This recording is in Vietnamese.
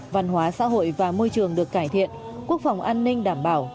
văn hóa xã hội và môi trường được cải thiện quốc phòng an ninh đảm bảo